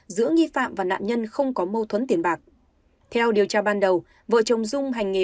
giữa nghi phạm và nạn nhân không có mâu thuẫn tiền bạc theo điều tra ban đầu vợ chồng dung hành nghề